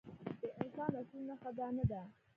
د انسان اصلي نښه دا نه ده.